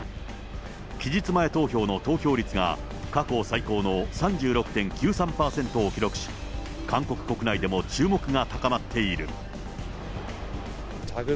期日前投票の投票率が過去最高の３６．９３％を記録し、韓国国内でも注目が高まっている。